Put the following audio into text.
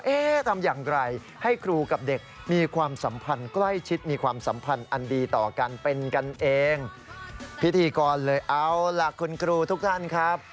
เอ้าล่ะคุณครูทุกท่านครับ